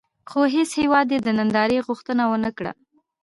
خو هېڅ هېواد یې د نندارې غوښتنه ونه کړه.